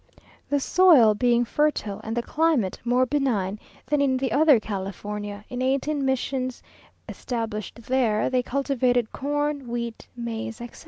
The soil being fertile and the climate more benign than in the other California, in eighteen missions established there, they cultivated corn, wheat, maize, etc.